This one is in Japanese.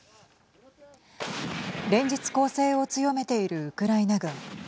連日、攻勢を強めているウクライナ軍。